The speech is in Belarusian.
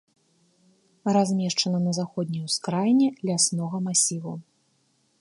Размешчана на заходняй ускраіне ляснога масіву.